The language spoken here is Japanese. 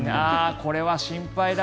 これは心配だ。